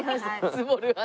積もる話。